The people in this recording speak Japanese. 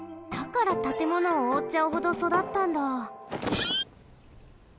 だからたてものをおおっちゃうほどそだったんだ。